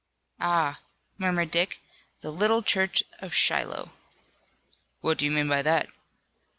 "Ah," murmured Dick, "the little church of Shiloh!" "What do you mean by that?"